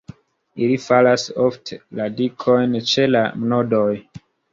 Ili faras ofte radikojn ĉe la nodoj.